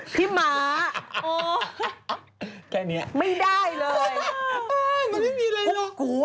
พี่ม้าไม่ได้เลยคุกอะไรคุดเจอชามแล้วก็จบแล้วก็กล้วย๓๑